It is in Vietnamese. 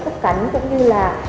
thức cắn cũng như là